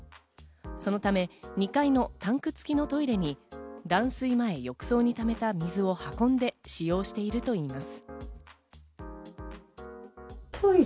そのため、２階のタンクつきのトイレに断水前、浴槽にためた水を運んで使用しているといいます。